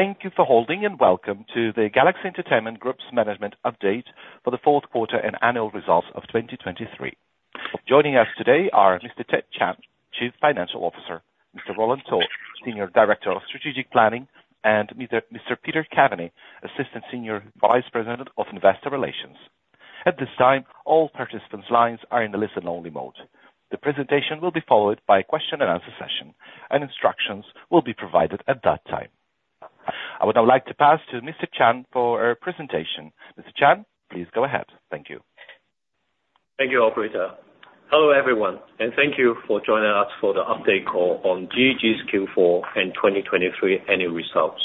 Thank you for holding and welcome to the Galaxy Entertainment Group's management update for the fourth quarter and annual results of 2023. Joining us today are Mr. Ted Chan, Chief Financial Officer; Mr. Roland To, Senior Director of Strategic Planning; and Mr. Peter Caveny, Assistant Senior Vice President of Investor Relations. At this time, all participants' lines are in the listen-only mode. The presentation will be followed by a question-and-answer session, and instructions will be provided at that time. I would now like to pass to Mr. Chan for a presentation. Mr. Chan, please go ahead. Thank you. Thank you, Operator. Hello everyone, and thank you for joining us for the update call on GEG's Q4 and 2023 annual results.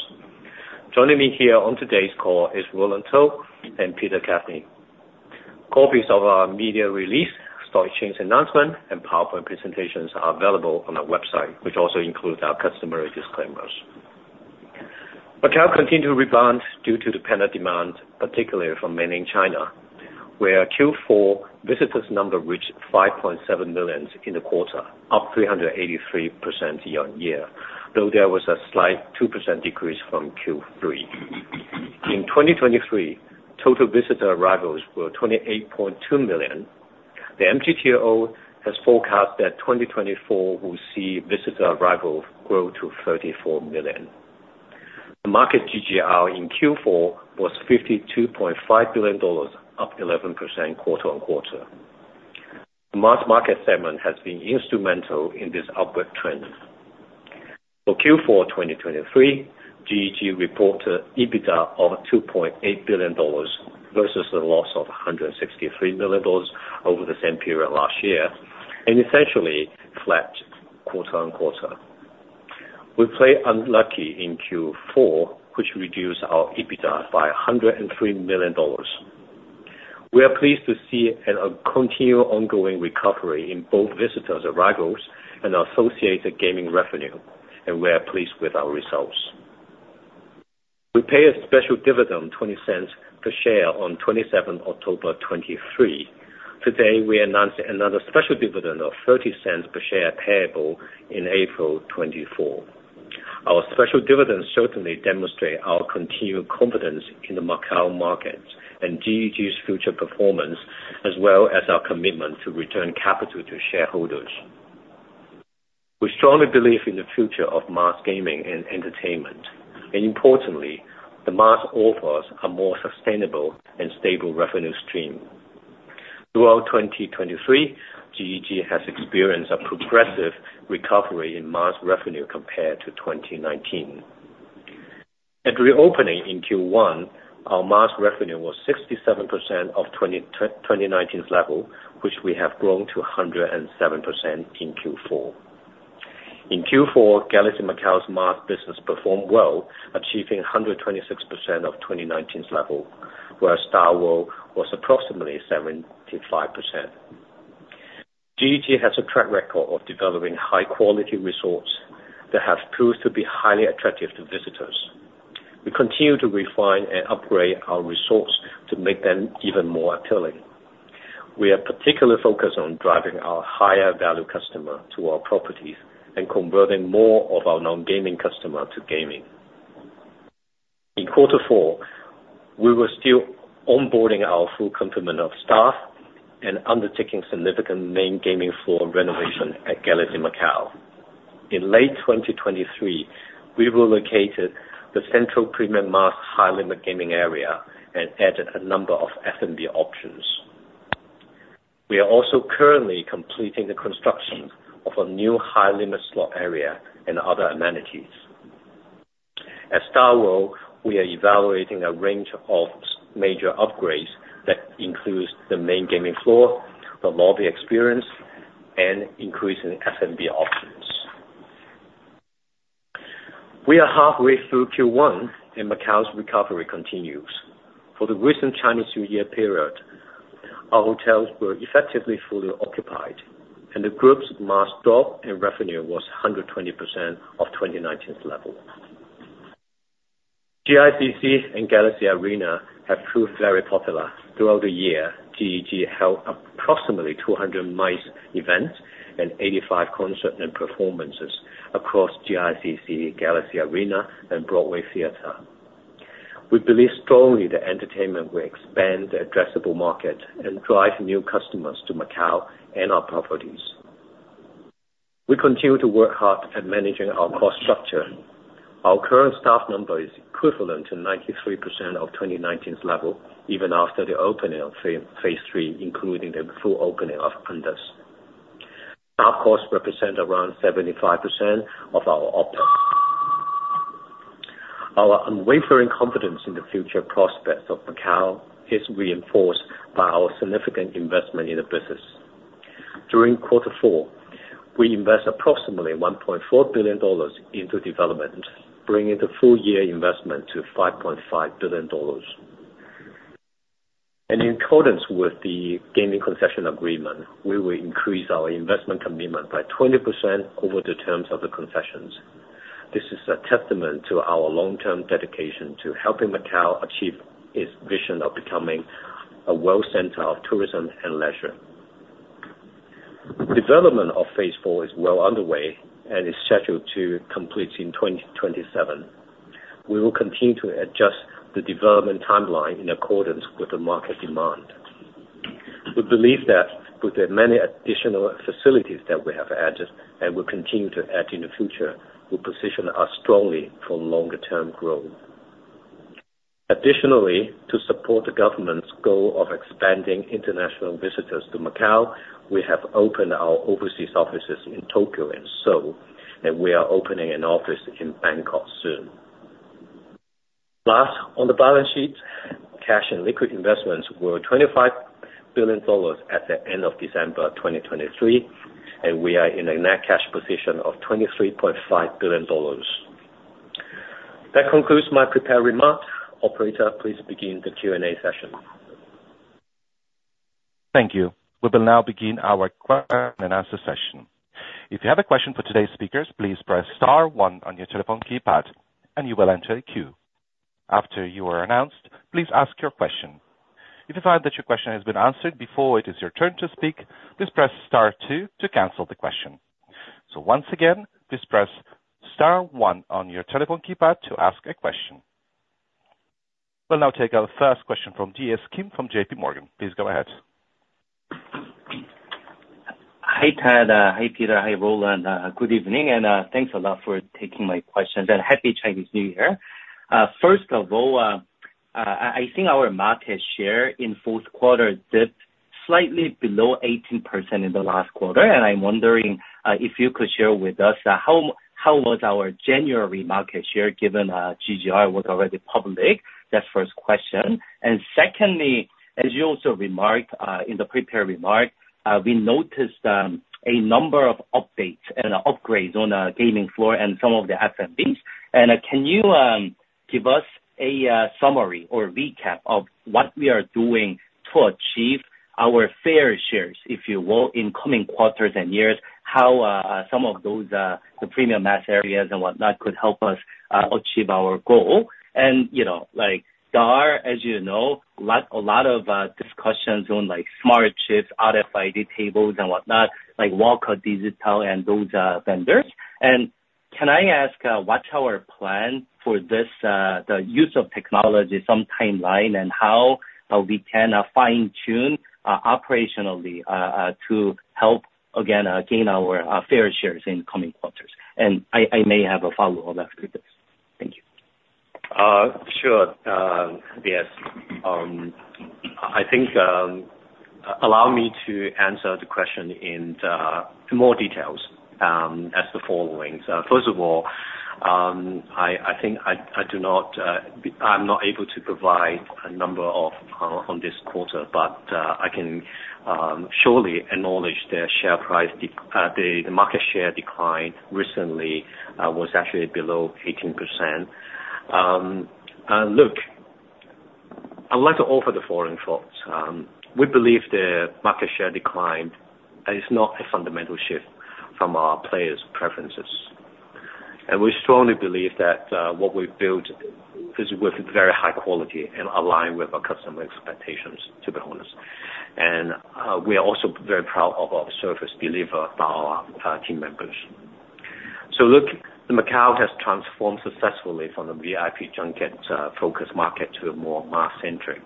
Joining me here on today's call is Roland To and Peter Caveny. Copies of our media release, stock exchange announcement, and PowerPoint presentations are available on our website, which also includes our customary disclaimers. All counts continue to rebound due to inbound demand, particularly from Mainland China, where Q4 visitor numbers reached 5.7 million in the quarter, up 383% year-over-year, though there was a slight 2% decrease from Q3. In 2023, total visitor arrivals were 28.2 million. The MGTO has forecast that 2024 will see visitor arrivals grow to 34 million. The market GGR in Q4 was HKD 52.5 billion, up 11% quarter-over-quarter. The mass market segment has been instrumental in this upward trend. For Q4 2023, GEG reported EBITDA of $2.8 billion versus a loss of $163 million over the same period last year, and essentially flat quarter-on-quarter. We played unlucky in Q4, which reduced our EBITDA by $103 million. We are pleased to see a continual ongoing recovery in both visitors arrivals and associated gaming revenue, and we are pleased with our results. We pay a special dividend of $0.20 per share on 27 October 2023. Today, we announced another special dividend of $0.30 per share payable in April 2024. Our special dividends certainly demonstrate our continual confidence in the Macau markets and GEG's future performance, as well as our commitment to return capital to shareholders. We strongly believe in the future of mass gaming and entertainment, and importantly, the mass and others are more sustainable and stable revenue streams. Throughout 2023, GEG has experienced a progressive recovery in mass revenue compared to 2019. At reopening in Q1, our mass revenue was 67% of 2019's level, which we have grown to 107% in Q4. In Q4, Galaxy Macau's mass business performed well, achieving 126% of 2019's level, whereas StarWorld was approximately 75%. GG has a track record of developing high-quality resorts that have proved to be highly attractive to visitors. We continue to refine and upgrade our resorts to make them even more appealing. We are particularly focused on driving our higher-value customer to our properties and converting more of our non-gaming customer to gaming. In quarter four, we were still onboarding our full complement of staff and undertaking significant main gaming floor renovation at Galaxy Macau. In late 2023, we relocated the central premium mass high-limit gaming area and added a number of F&B options. We are also currently completing the construction of a new high-limit slot area and other amenities. At StarWorld, we are evaluating a range of major upgrades that include the main gaming floor, the lobby experience, and increasing F&B options. We are halfway through Q1, and Macau's recovery continues. For the recent Chinese New Year period, our hotels were effectively fully occupied, and the group's mass drop and revenue was 120% of 2019's level. GICC and Galaxy Arena have proved very popular. Throughout the year, GEG held approximately 200 MICE events and 85 concerts and performances across GICC, Galaxy Arena, and Broadway Theatre. We believe strongly that entertainment will expand the addressable market and drive new customers to Macau and our properties. We continue to work hard at managing our cost structure. Our current staff number is equivalent to 93% of 2019's level, even after the opening of Phase 3, including the full opening of Andaz. Staff costs represent around 75% of our OpEx. Our unwavering confidence in the future prospects of Macau is reinforced by our significant investment in the business. During quarter four, we invested approximately 1.4 billion dollars into development, bringing the full-year investment to 5.5 billion dollars. In accordance with the gaming concession agreement, we will increase our investment commitment by 20% over the terms of the concessions. This is a testament to our long-term dedication to helping Macau achieve its vision of becoming a world center of tourism and leisure. Development of Phase 4 is well underway and is scheduled to complete in 2027. We will continue to adjust the development timeline in accordance with the market demand. We believe that with the many additional facilities that we have added and will continue to add in the future, we position ourselves strongly for longer-term growth. Additionally, to support the government's goal of expanding international visitors to Macau, we have opened our overseas offices in Tokyo and Seoul, and we are opening an office in Bangkok soon. Last, on the balance sheet, cash and liquid investments were 25 billion dollars at the end of December 2023, and we are in a net cash position of 23.5 billion dollars. That concludes my prepared remarks. Operator, please begin the Q&A session. Thank you. We will now begin our question-and-answer session. If you have a question for today's speakers, please press star one on your telephone keypad, and you will enter a queue. After you are announced, please ask your question. If you find that your question has been answered before it is your turn to speak, please press star two to cancel the question. So once again, please press star one on your telephone keypad to ask a question. We'll now take our first question from DS Kim from JPMorgan. Please go ahead. Hi Ted. Hi Peter. Hi Roland. Good evening, and thanks a lot for taking my questions, and Happy Chinese New Year. First of all, I think our market share in fourth quarter dipped slightly below 18% in the last quarter, and I'm wondering if you could share with us how was our January market share given GGR was already public. That's the first question. And secondly, as you also remarked in the prepared remark, we noticed a number of updates and upgrades on the gaming floor and some of the F&Bs. And can you give us a summary or recap of what we are doing to achieve our fair shares, if you will, in coming quarters and years, how some of those premium mass areas and whatnot could help us achieve our goal? Third, as you know, a lot of discussions on smart chips, RFID tables, and whatnot, like Walker Digital and those vendors. Can I ask what's our plan for the use of technology, some timeline, and how we can fine-tune operationally to help, again, gain our fair shares in coming quarters? I may have a follow-up after this. Thank you. Sure. Yes. I think, allow me to answer the question in more details as the following. First of all, I think I'm not able to provide a number on this quarter, but I can surely acknowledge the share price the market share decline recently was actually below 18%. Look, I'd like to offer the following thoughts. We believe the market share decline is not a fundamental shift from our players' preferences. And we strongly believe that what we've built is with very high quality and aligned with our customer expectations, to be honest. And we are also very proud of our service delivered by our team members. So look, Macau has transformed successfully from a VIP junket-focused market to a more mass-centric.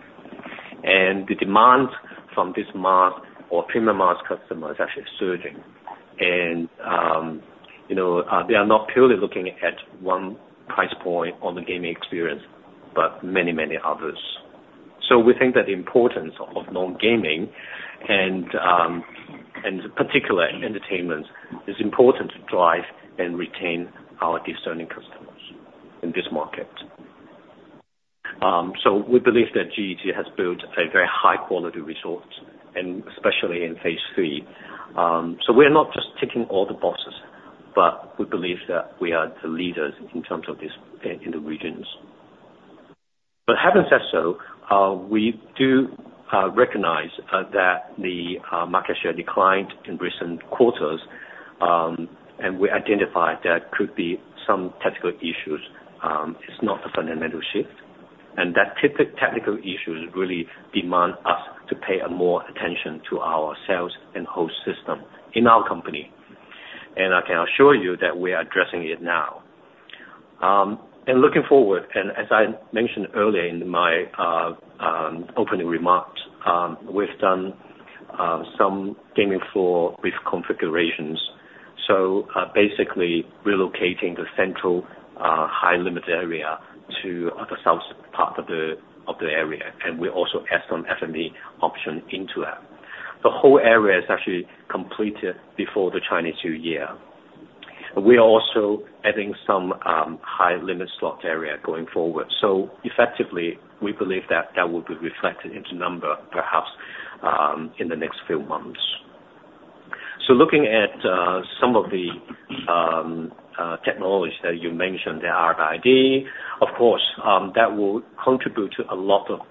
And the demand from these mass or premium mass customers is actually surging. They are not purely looking at one price point on the gaming experience, but many, many others. We think that the importance of non-gaming and particularly entertainment is important to drive and retain our discerning customers in this market. We believe that GG has built a very high-quality resort, and especially in Phase 3. We are not just ticking all the boxes, but we believe that we are the leaders in terms of this in the regions. Having said so, we do recognize that the market share declined in recent quarters, and we identified that could be some technical issues. It's not a fundamental shift. That technical issues really demand us to pay more attention to our sales and host system in our company. I can assure you that we are addressing it now. Looking forward, as I mentioned earlier in my opening remarks, we've done some gaming floor reconfigurations, so basically relocating the central high-limit area to the south part of the area, and we also add some F&B options into that. The whole area is actually completed before the Chinese New Year. We are also adding some high-limit slot area going forward. So effectively, we believe that, that will be reflected in the number, perhaps in the next few months. So looking at some of the technologies that you mentioned, the RFID, of course, that will contribute to a lot of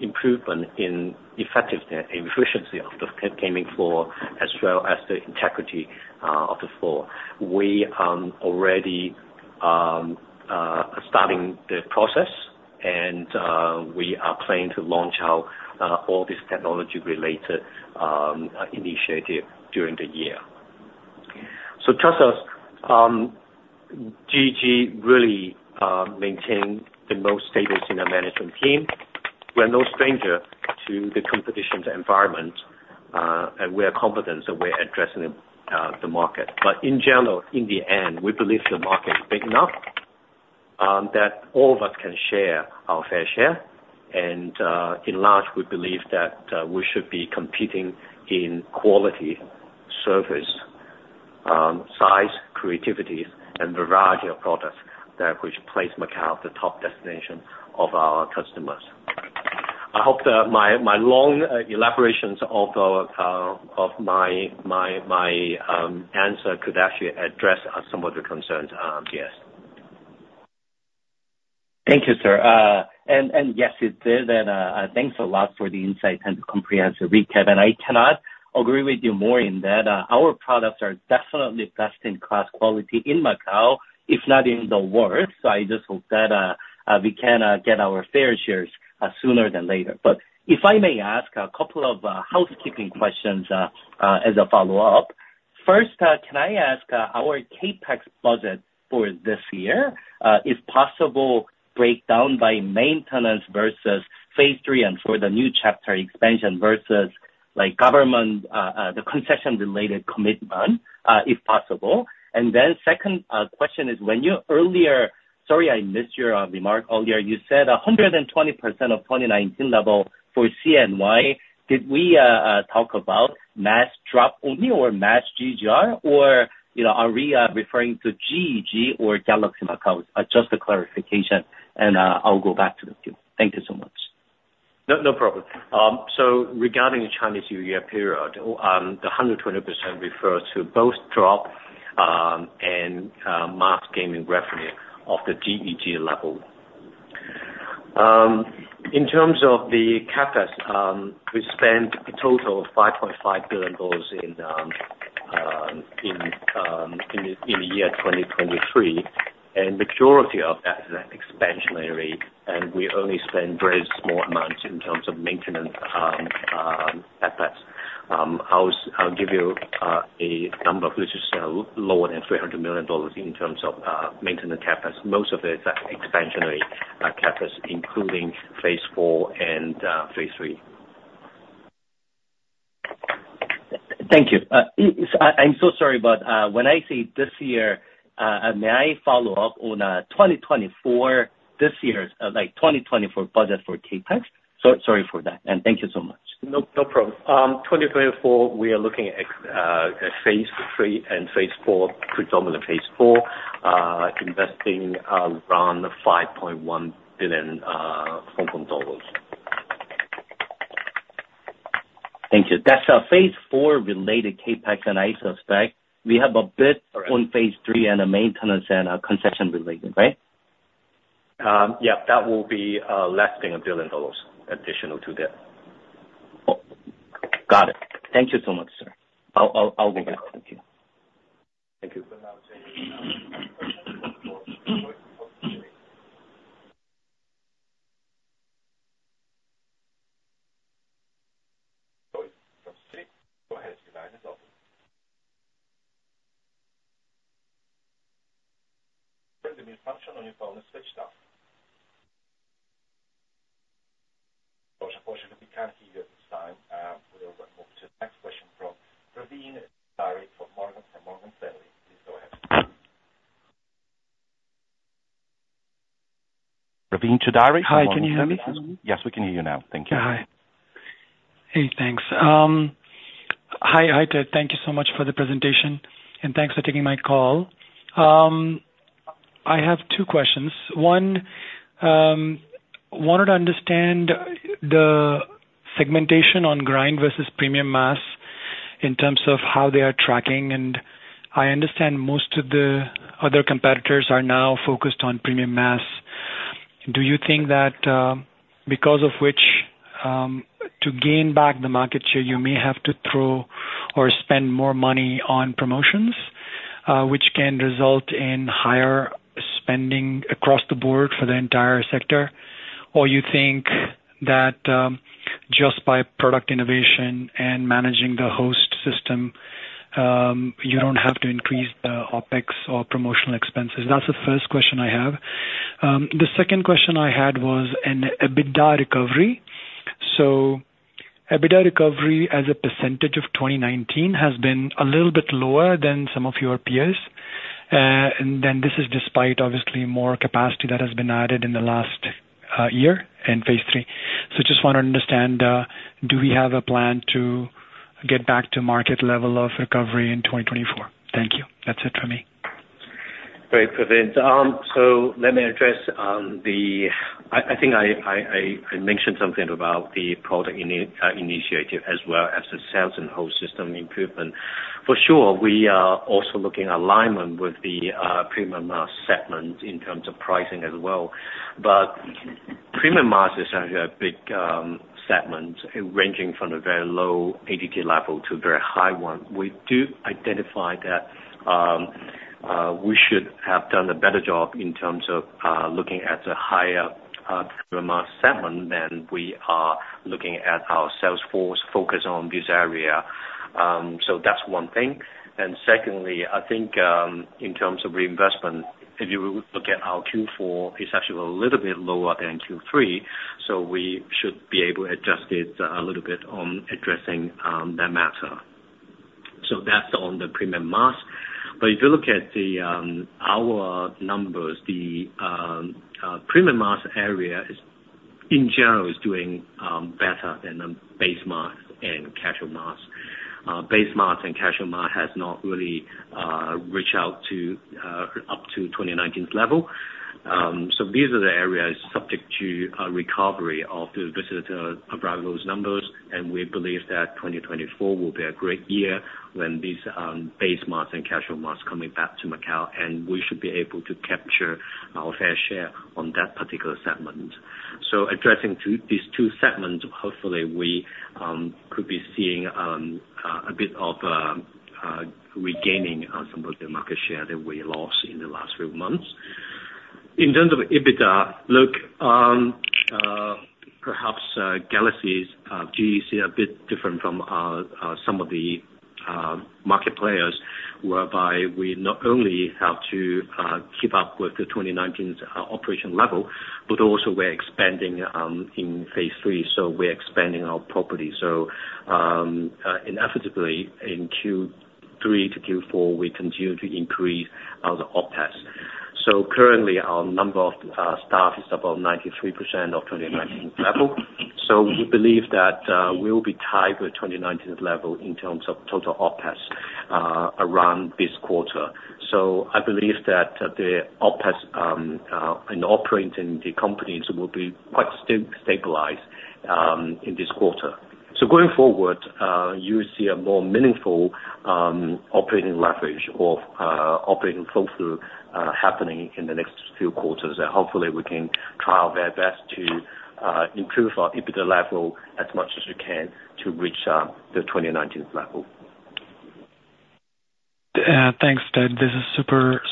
improvement in effectiveness and efficiency of the gaming floor as well as the integrity of the floor. We are already starting the process, and we are planning to launch out all these technology-related initiatives during the year. So trust us, GG really maintains the most status in our management team. We are no stranger to the competition's environment, and we are confident that we're addressing the market. But in general, in the end, we believe the market is big enough that all of us can share our fair share. And in large, we believe that we should be competing in quality, service, size, creativities, and variety of products that which place Macau at the top destination of our customers. I hope that my long elaborations of my answer could actually address some of the concerns. Yes. Thank you, sir. And yes, it did. And thanks a lot for the insight and the comprehensive recap. And I cannot agree with you more in that our products are definitely best-in-class quality in Macau, if not in the world. So I just hope that we can get our fair shares sooner than later. But if I may ask a couple of housekeeping questions as a follow-up, first, can I ask our CapEx budget for this year, if possible, breakdown by maintenance versus Phase 3 and for the new chapter expansion versus the concession-related commitment, if possible? And then second question is, when you earlier sorry, I missed your remark earlier. You said 120% of 2019 level for CNY. Did we talk about mass drop only or mass GGR, or are we referring to GEG or Galaxy Macau? Just a clarification, and I'll go back to the queue. Thank you so much. No problem. So regarding the Chinese New Year period, the 120% refers to both drop and mass gaming revenue of the GEG level. In terms of the CapEx, we spent a total of 5.5 billion dollars in the year 2023, and the majority of that is expansionary, and we only spend very small amounts in terms of maintenance CapEx. I'll give you a number, which is lower than 300 million dollars in terms of maintenance CapEx. Most of it is expansionary CapEx, including Phase 4 and Phase 3. Thank you. I'm so sorry, but when I say this year, may I follow up on 2024 this year's 2024 budget for CapEx? Sorry for that. Thank you so much. No problem. 2024, we are looking at Phase 3 and Phase 4, predominantly Phase 4, investing around HKD 5.1 billion. Thank you. That's Phase 4-related CapEx, and I suspect we have a bit on Phase 3 and the maintenance and concession-related, right? Yeah. That will be less than $1 billion additional to that. Got it. Thank you so much, sir. I'll go back to the queue. Thank you. Sorry. Go ahead, Your line is open. Turn the mute function on your phone and switch it off. Of course, if we can't hear you at this time, we'll move to the next question from Praveen Choudhary from Morgan Stanley. Please go ahead. Praveen Choudhary? Hi. Can you hear me? Yes, we can hear you now. Thank you. Hi. Hey, thanks. Hi, Ted. Thank you so much for the presentation, and thanks for taking my call. I have two questions. One, I wanted to understand the segmentation on grind versus Premium Mass in terms of how they are tracking. And I understand most of the other competitors are now focused on Premium Mass. Do you think that because of which, to gain back the market share, you may have to throw or spend more money on promotions, which can result in higher spending across the board for the entire sector? Or you think that just by product innovation and managing the host system, you don't have to increase the OpEx or promotional expenses? That's the first question I have. The second question I had was an EBITDA recovery. So EBITDA recovery as a percentage of 2019 has been a little bit lower than some of your peers. And then this is despite, obviously, more capacity that has been added in the last year in Phase 3. So I just want to understand, do we have a plan to get back to market-level of recovery in 2024? Thank you. That's it from me. Great, Praveen. So let me address the. I think I mentioned something about the product initiative as well as the sales and host system improvement. For sure, we are also looking at alignment with the Premium Mass segment in terms of pricing as well. But Premium Mass is actually a big segment ranging from a very low ADT level to a very high one. We do identify that we should have done a better job in terms of looking at a higher Premium Mass segment than we are looking at our sales force focus on this area. So that's one thing. And secondly, I think in terms of reinvestment, if you look at our Q4, it's actually a little bit lower than Q3. So we should be able to adjust it a little bit on addressing that matter. So that's on the Premium Mass. But if you look at our numbers, the premium mass area, in general, is doing better than the base mass and casual mass. Base mass and casual mass has not really reached out up to 2019's level. So these are the areas subject to recovery of the visitor arrivals numbers. And we believe that 2024 will be a great year when these base mass and casual mass coming back to Macau, and we should be able to capture our fair share on that particular segment. So addressing these two segments, hopefully, we could be seeing a bit of regaining some of the market share that we lost in the last few months. In terms of EBITDA, look, perhaps GEG is a bit different from some of the market players, whereby we not only have to keep up with the 2019's operation level, but also we're expanding in Phase 3. So we're expanding our property. So inevitably, in Q3 to Q4, we continue to increase our OPEX. So currently, our number of staff is about 93% of 2019's level. So we believe that we'll be tied with 2019's level in terms of total OpEx around this quarter. So I believe that the OpEx and operating the companies will be quite stabilized in this quarter. So going forward, you will see a more meaningful operating leverage or operating flow-through happening in the next few quarters. And hopefully, we can try our very best to improve our EBITDA level as much as we can to reach the 2019's level. Thanks, Ted. This is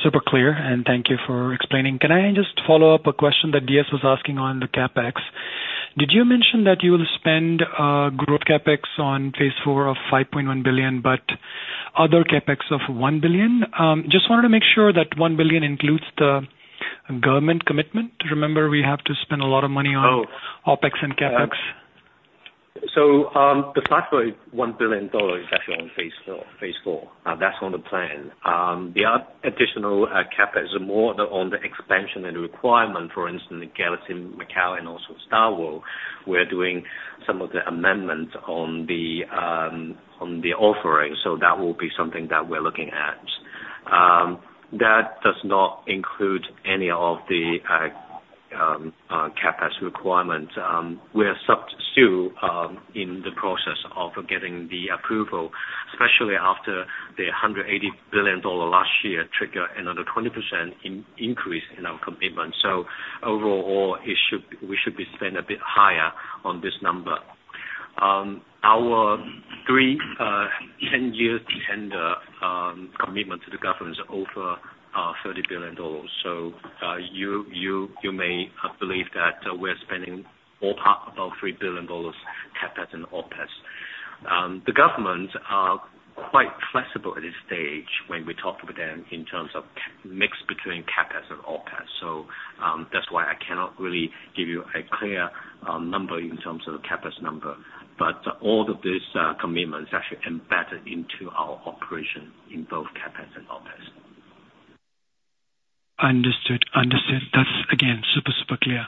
super clear. And thank you for explaining. Can I just follow up a question that DS was asking on the CapEx? Did you mention that you will spend growth CapEx on Phase 4 of 5.1 billion but other CapEx of 1 billion? Just wanted to make sure that 1 billion includes the government commitment. Remember, we have to spend a lot of money on OpEx and CapEx. So the factory's $1 billion, especially on Phase 4. That's on the plan. The additional CapEx is more on the expansion and the requirement. For instance, the Galaxy Macau and also StarWorld, we're doing some of the amendments on the offering. So that will be something that we're looking at. That does not include any of the CapEx requirements. We are still in the process of getting the approval, especially after the $180 billion last year triggered another 20% increase in our commitment. So overall, we should be spending a bit higher on this number. Our 30-year tender commitment to the government is over $30 billion. So you may believe that we're spending all about $3 billion CapEx and OpEx. The government are quite flexible at this stage when we talk to them in terms of mix between CapEx and OpEx. That's why I cannot really give you a clear number in terms of the CapEx number. All of these commitments actually embedded into our operation in both CapEx and OpEx. Understood. That's, again, super, super clear.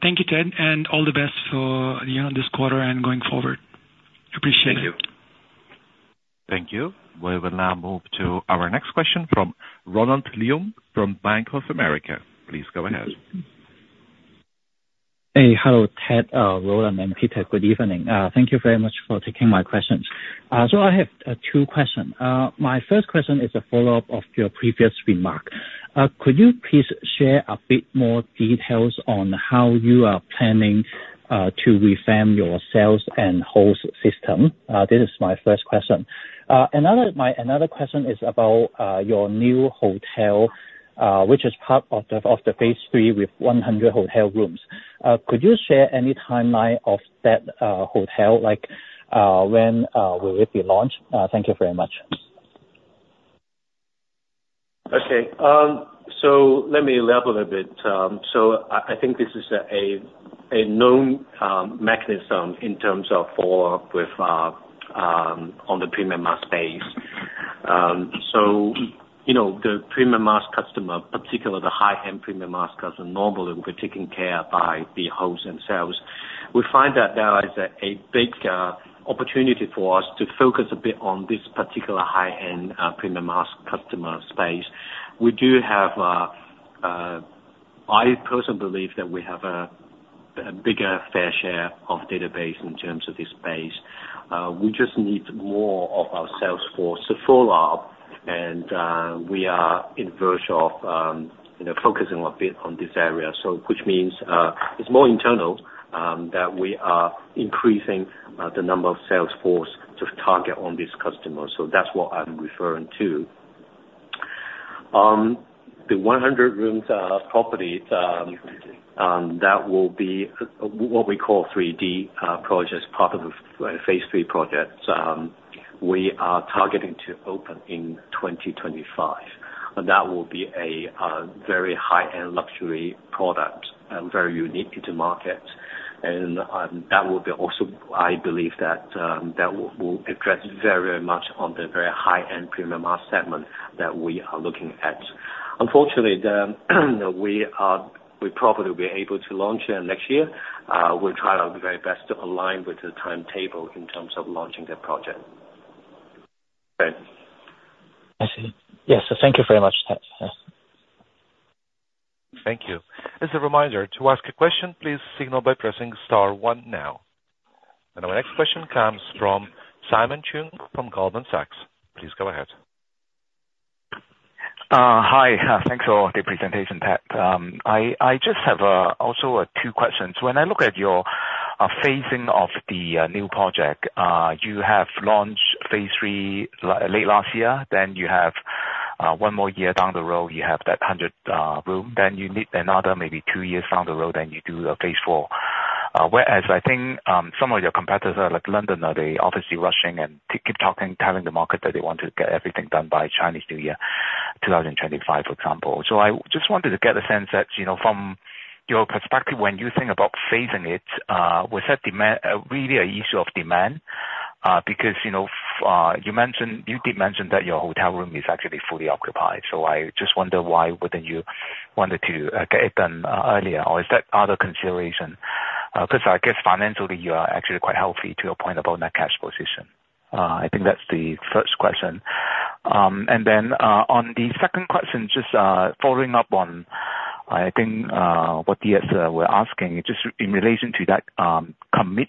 Thank you, Ted. And all the best for this quarter and going forward. Appreciate it. Thank you. Thank you. We will now move to our next question from Ronald Leung from Bank of America. Please go ahead. Hey. Hello, Ted, Roland, and Peter. Good evening. Thank you very much for taking my questions. So I have two questions. My first question is a follow-up of your previous remark. Could you please share a bit more details on how you are planning to reframing your sales and host system? This is my first question. Another question is about your new hotel, which is part of the Phase 3 with 100 hotel rooms. Could you share any timeline of that hotel? When will it be launched? Thank you very much. Okay. So let me elaborate a bit. So I think this is a known mechanism in terms of follow-up on the Premium Mass space. So the Premium Mass customer, particularly the high-end Premium Mass customer, normally will be taken care of by the host and sales. We find that there is a big opportunity for us to focus a bit on this particular high-end Premium Mass customer space. We do have. I personally believe that we have a bigger fair share of database in terms of this space. We just need more of our sales force to follow up, and we are on the verge of focusing a bit on this area, which means it's more internal that we are increasing the number of sales force to target on this customer. So that's what I'm referring to. The 100-room property, that will be what we call 3D projects, part of the Phase 3 projects. We are targeting to open in 2025. That will be a very high-end luxury product, very unique to the market. That will also, I believe, that that will address very, very much on the very high-end Premium Mass segment that we are looking at. Unfortunately, we probably will be able to launch it next year. We'll try our very best to align with the timetable in terms of launching the project. I see. Yeah. Thank you very much, Ted. Thank you. As a reminder, to ask a question, please signal by pressing star one now. And our next question comes from Simon Cheung from Goldman Sachs. Please go ahead. Hi. Thanks for the presentation, Ted. I just have also two questions. When I look at your phasing of the new project, you have launched Phase 3 late last year. Then you have one more year down the road. You have that 100 room. Then you need another maybe two years down the road. Then you do a Phase 4. Whereas I think some of your competitors, like Londoner, are they obviously rushing and keep talking, telling the market that they want to get everything done by Chinese New Year, 2025, for example. So I just wanted to get a sense that from your perspective, when you think about phasing it, was that really an issue of demand? Because you did mention that your hotel room is actually fully occupied. So I just wonder why wouldn't you want to get it done earlier? Or is that other consideration? Because I guess financially, you are actually quite healthy to your point about net cash position. I think that's the first question. And then on the second question, just following up on, I think, what DS were asking, just in relation to that non-gaming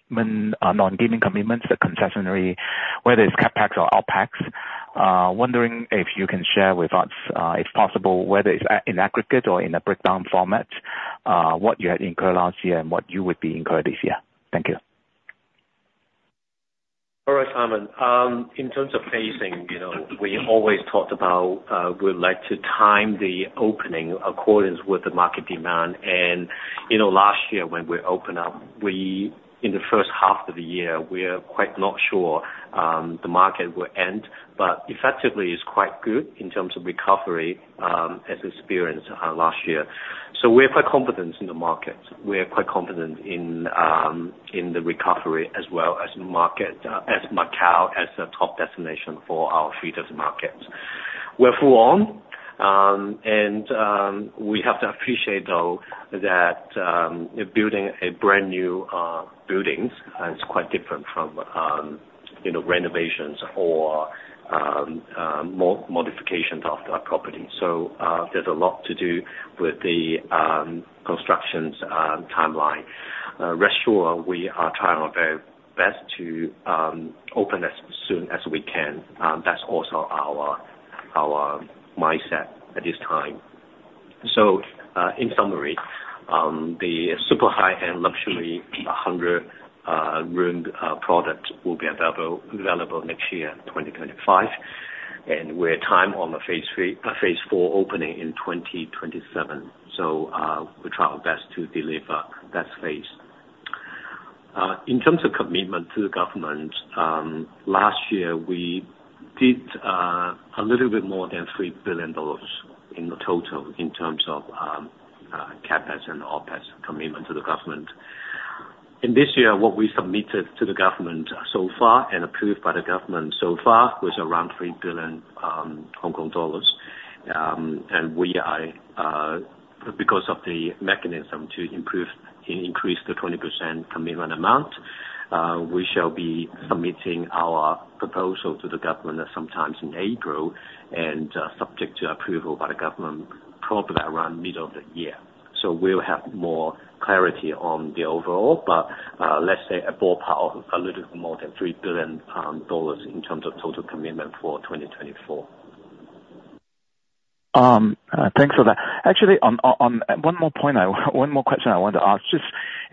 commitments, the concessionaire, whether it's CapEx or OpEx, wondering if you can share with us, if possible, whether it's in aggregate or in a breakdown format, what you had incurred last year and what you would be incurring this year. Thank you. All right, Simon. In terms of phasing, we always talked about we would like to time the opening according with the market demand. And last year, when we opened up, in the first half of the year, we were quite not sure the market would end. But effectively, it's quite good in terms of recovery as experienced last year. So we're quite confident in the market. We're quite confident in the recovery as well as Macau as a top destination for our feeder markets. We're full-on. And we have to appreciate, though, that building brand new buildings is quite different from renovations or modifications of the property. So there's a lot to do with the construction timeline. Rest assured, we are trying our very best to open as soon as we can. That's also our mindset at this time. So in summary, the super high-end luxury 100-room product will be available next year, 2025. And we're on time for the Phase Four opening in 2027. So we'll try our best to deliver that space. In terms of commitment to the government, last year, we did a little bit more than $3 billion in total in terms of CapEx and OpEx commitment to the government. This year, what we submitted to the government so far and approved by the government so far was around HKD 3 billion. And because of the mechanism to increase the 20% commitment amount, we shall be submitting our proposal to the government sometime in April and subject to approval by the government probably around middle of the year. So we'll have more clarity on the overall. But let's say a ballpark, a little bit more than 3 billion dollars in terms of total commitment for 2024. Thanks for that. Actually, one more point, one more question I wanted to ask just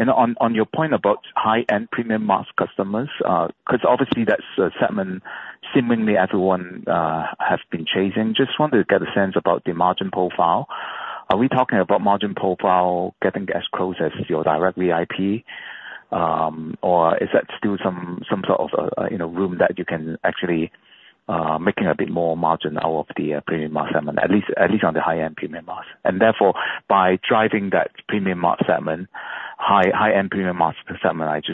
on your point about high-end premium mass customers. Because obviously, that's a segment seemingly everyone has been chasing. Just wanted to get a sense about the margin profile. Are we talking about margin profile getting as close as your direct VIP? Or is that still some sort of room that you can actually making a bit more margin out of the premium mass segment, at least on the high-end premium mass? And therefore, by driving that premium mass segment, high-end premium mass segment,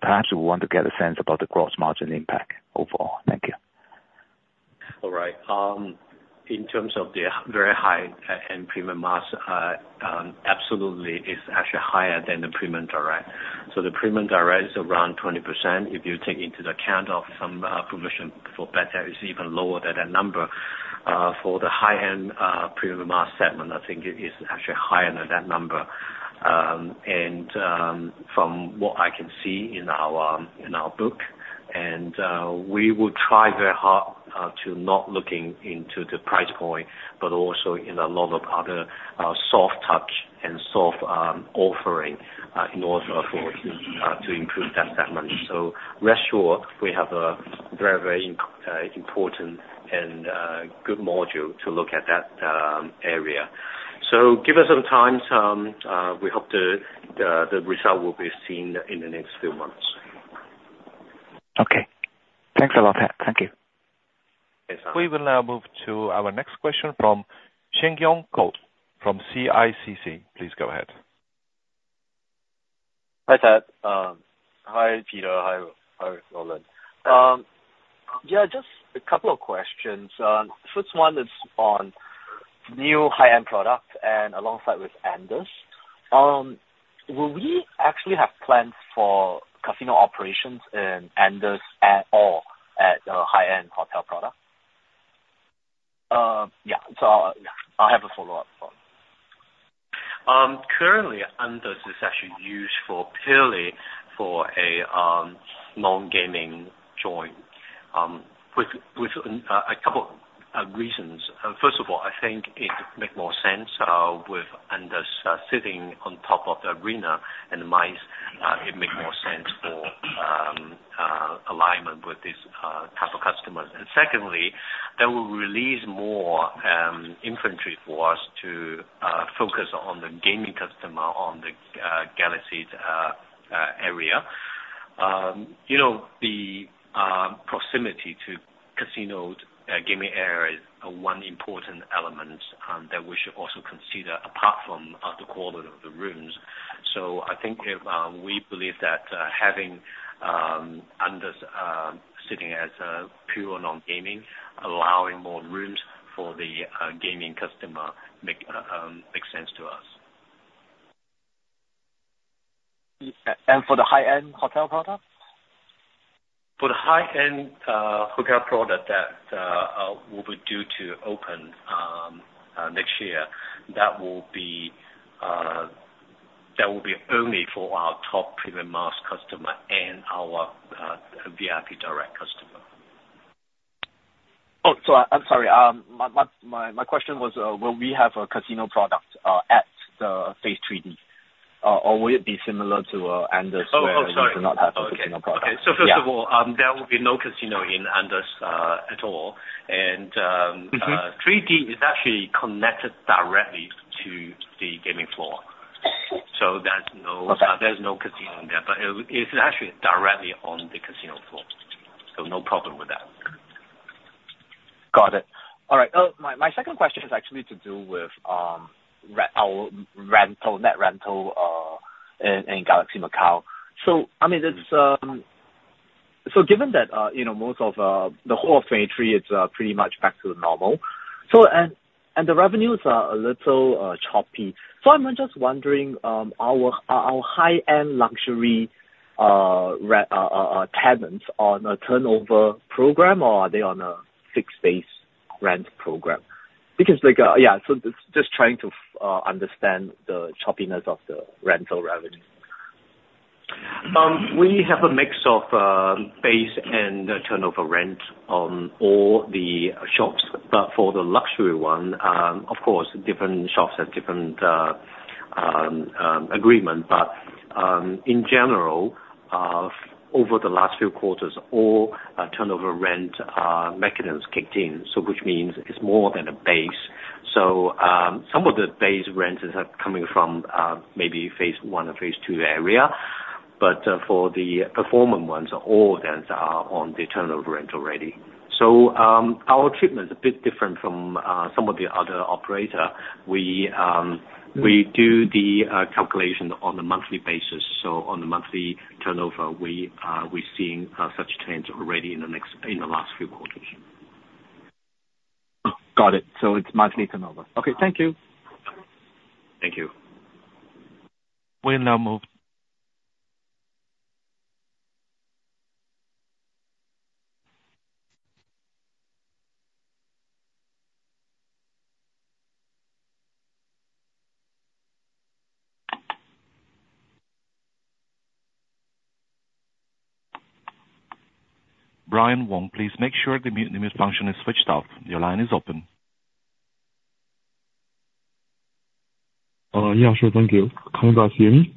perhaps we want to get a sense about the gross margin impact overall. Thank you. All right. In terms of the very high-end premium mass, absolutely, it's actually higher than the premium direct. So the premium direct is around 20%. If you take into account of some provision for bad debt, it's even lower than that number. For the high-end premium mass segment, I think it is actually higher than that number. From what I can see in our book, we will try very hard to not look into the price point but also in a lot of other soft touch and soft offering in order to improve that segment. So rest assured, we have a very, very important and good module to look at that area. So give us some time. We hope the result will be seen in the next few months. Okay. Thanks a lot, Ted. Thank you. Thanks, Simon. We will now move to our next question from Shengyong Goh from CICC. Please go ahead. Hi, Ted. Hi, Peter. Hi, Roland. Yeah, just a couple of questions. First one is on new high-end product and alongside with Andaz. Will we actually have plans for casino operations in Andaz at all at the high-end hotel product? Yeah. So I'll have a follow-up. Currently, Andaz is actually used purely for a non-gaming clientele with a couple of reasons. First of all, I think it makes more sense with Andaz sitting on top of the arena and the MICE. It makes more sense for alignment with this type of customers. And secondly, that will release more inventory for us to focus on the gaming customer on the Galaxy's area. The proximity to casino gaming area is one important element that we should also consider apart from the quality of the rooms. So I think we believe that having Andaz sitting as pure non-gaming, allowing more rooms for the gaming customer makes sense to us. For the high-end hotel product? For the high-end hotel product that will be due to open next year, that will be only for our top premium mass customer and our VIP direct customer. Oh, so I'm sorry. My question was, will we have a casino product at the Phase 3D? Or will it be similar to Andaz where they do not have a casino product? Oh, oh, sorry. Okay. So first of all, there will be no casino in Andaz at all. And Andaz is actually connected directly to the gaming floor. So there's no casino in there. But it's actually directly on the casino floor. So no problem with that. Got it. All right. Oh, my second question is actually to do with our net rental in Galaxy Macau. So I mean, so given that most of the whole of 2023, it's pretty much back to normal, and the revenues are a little choppy. So I'm just wondering, are our high-end luxury tenants on a turnover program, or are they on a fixed based rent program? Because yeah, so just trying to understand the choppiness of the rental revenue. We have a mix of base and turnover rent on all the shops. But for the luxury one, of course, different shops have different agreements. But in general, over the last few quarters, all turnover rent mechanisms kicked in, which means it's more than a base. So some of the base rents are coming from maybe Phase 1 or Phase 2 area. But for the performance ones, all of them are on the turnover rent already. So our treatment is a bit different from some of the other operators. We do the calculation on a monthly basis. So on the monthly turnover, we're seeing such trends already in the last few quarters. Got it. It's monthly turnover. Okay. Thank you. Thank you. We will now move. Brian Gong, please make sure the mute function is switched off. Your line is open. Yeah, sure. Thank you. Can you guys hear me?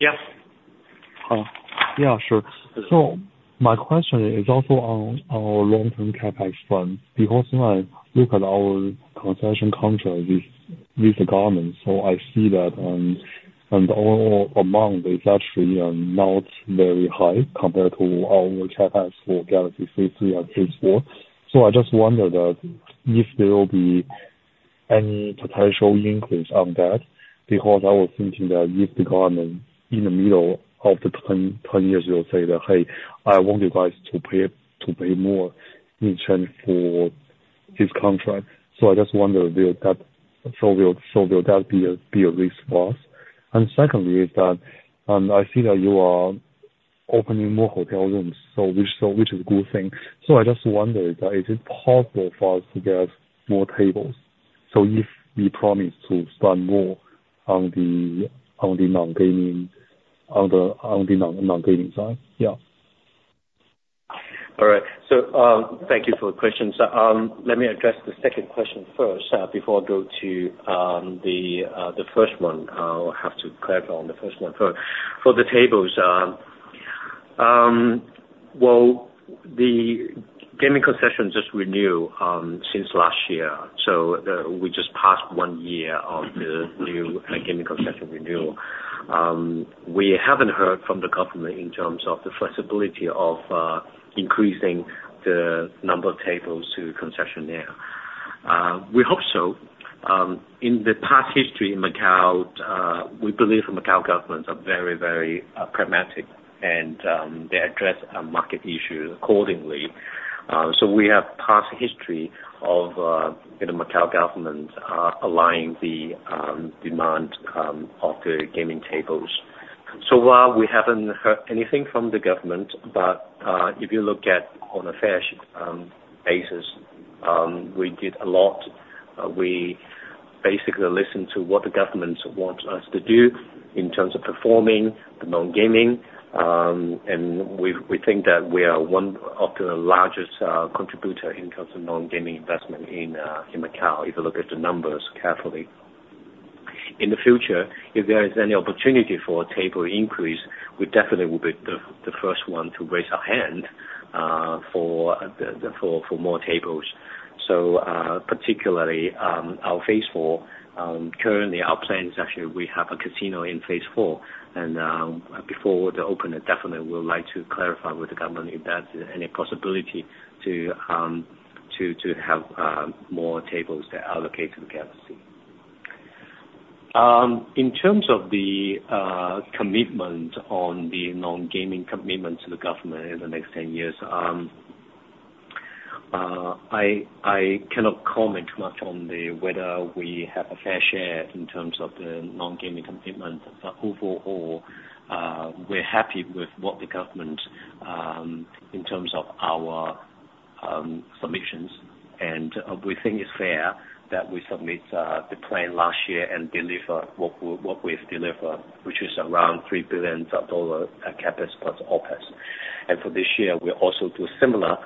Yes. Yeah, sure. So my question is also on our long-term CapEx fund. Because when I look at our concession contract with the government, so I see that the overall amount is actually not very high compared to our CapEx for Galaxy Phase 3 and Phase 4. So I just wondered if there will be any potential increase on that. Because I was thinking that if the government in the middle of the 20 years, they'll say that, "Hey, I want you guys to pay more in exchange for this contract." So I just wondered if that so will that be a risk for us? And secondly, is that I see that you are opening more hotel rooms, which is a good thing. So I just wondered, is it possible for us to get more tables? So if we promise to spend more on the non-gaming side. Yeah. All right. So thank you for the questions. Let me address the second question first before I go to the first one. I'll have to clarify on the first one first. For the tables, well, the gaming concession just renewed since last year. So we just passed one year of the new gaming concession renewal. We haven't heard from the government in terms of the flexibility of increasing the number of tables to concessionaire. We hope so. In the past history in Macau, we believe the Macau government are very, very pragmatic, and they address market issues accordingly. So we have past history of the Macau government aligning the demand of the gaming tables. So far, we haven't heard anything from the government. But if you look at on a fresh basis, we did a lot. We basically listened to what the government wants us to do in terms of performing the non-gaming. We think that we are one of the largest contributors in terms of non-gaming investment in Macau, if you look at the numbers carefully. In the future, if there is any opportunity for a table increase, we definitely will be the first one to raise our hand for more tables. Particularly our Phase 4, currently, our plan is actually we have a casino in Phase 4. Before the open, I definitely would like to clarify with the government if there's any possibility to have more tables that are allocated to the Galaxy. In terms of the commitment on the non-gaming commitment to the government in the next 10 years, I cannot comment too much on whether we have a fair share in terms of the non-gaming commitment. But overall, we're happy with what the government in terms of our submissions. And we think it's fair that we submit the plan last year and deliver what we've delivered, which is around $3 billion CapEx plus OpEx. And for this year, we also do similar,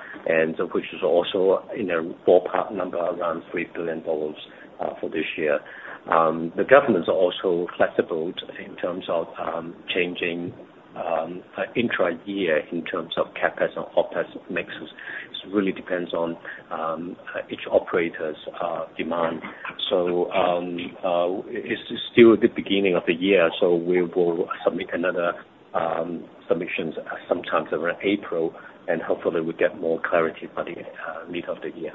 which is also in a ballpark number around $3 billion for this year. The government's also flexible in terms of changing intra-year in terms of CapEx and OpEx mixes. It really depends on each operator's demand. So it's still the beginning of the year. So we will submit another submission sometime around April. And hopefully, we'll get more clarity by the middle of the year.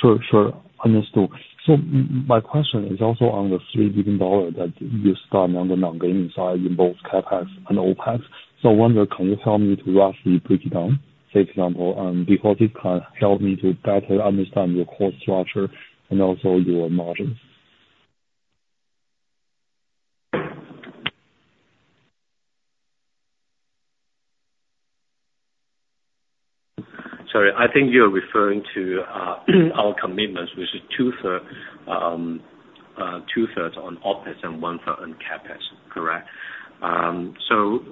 Sure, sure. Understood. So my question is also on the $3 billion that you spend on the non-gaming side in both CapEx and OpEx. So I wonder, can you help me to roughly break it down, say, for example, before this can help me to better understand your cost structure and also your margins? Sorry. I think you're referring to our commitments, which is two-thirds on OpEx and one-third on CapEx, correct? So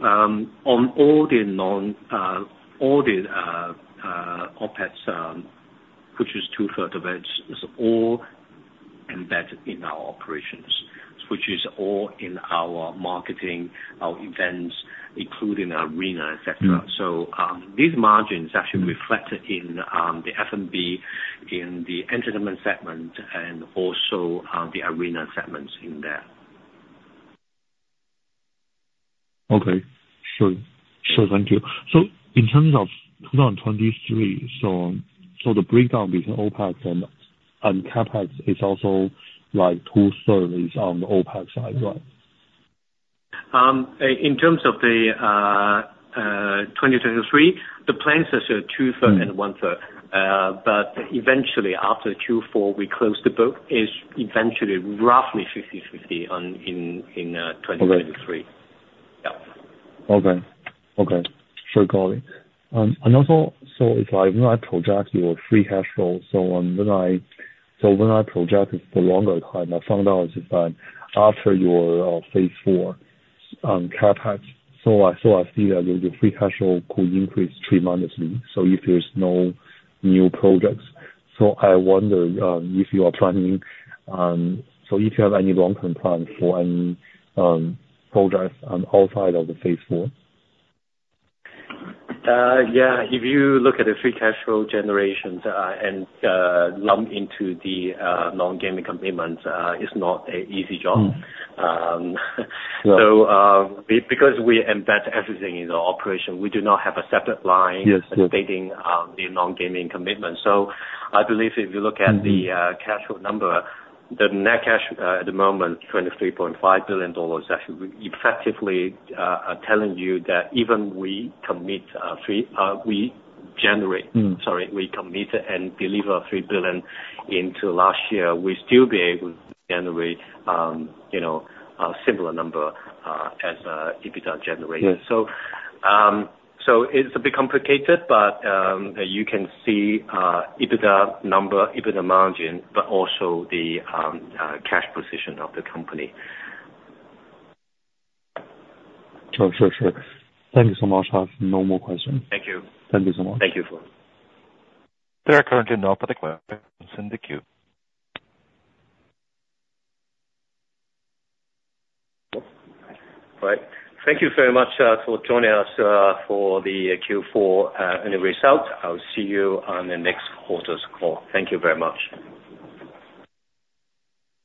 on all the non OpEx, which is two-thirds of it, is all embedded in our operations, which is all in our marketing, our events, including our arena, etc. So these margins actually reflect in the F&B, in the entertainment segment, and also the arena segments in there. Okay. Sure. Sure. Thank you. So in terms of 2023, so the breakdown between OpEx and CapEx is also like two-thirds is on the OpEx side, right? In terms of 2023, the plans are still 2/3 and 1/3. But eventually, after Q4, we close the book. It's eventually roughly 50/50 in 2023. Yeah. Okay. Sure, Galaxy. And also, so if I project your free cash flow, so when I projected for a longer time, I found out that after your Phase Four CapEx, so I see that your free cash flow could increase three months, so if there's no new projects. So I wonder if you are planning, so if you have any long-term plan for any projects outside of the Phase Four? Yeah. If you look at the free cash flow generations and lump into the non-gaming commitments, it's not an easy job. So because we embed everything in our operation, we do not have a separate line stating the non-gaming commitments. So I believe if you look at the cash flow number, the net cash at the moment, HKD 23.5 billion, is actually effectively telling you that even we commit three we generate sorry, we commit and deliver 3 billion into last year, we'd still be able to generate a similar number as EBITDA generated. So it's a bit complicated, but you can see EBITDA number, EBITDA margin, but also the cash position of the company. Sure, sure, sure. Thank you so much. I have no more questions. Thank you. Thank you so much. Thank you for. There are currently no other questions in the queue. All right. Thank you very much for joining us for the Q4 and the results. I'll see you on the next quarter's call. Thank you very much.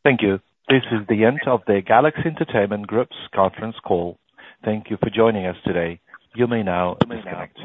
Thank you. This is the end of the Galaxy Entertainment Group's conference call. Thank you for joining us today. You may now disconnect.